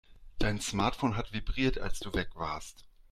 Dein Smartphone hat vibriert, als du weg warst.